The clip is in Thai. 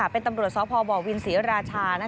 เป็นตำรวจทรบวินสิราชา